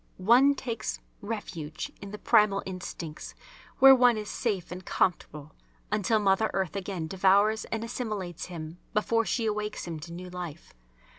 One takes refuge in the primal instincts where one is safe and comfortable, until Mother Earth again devours and assimilates him before she awakes him to new life.